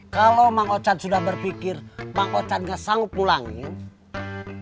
kalau mang ocad sudah berpikir mang ocad gak sanggup mulangin ya pasti mang ocad gak bakalan bisa mulangin